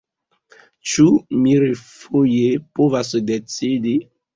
Ĉu mi refoje povas decidi?